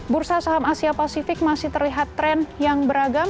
bursa saham asia pasifik masih terlihat tren yang beragam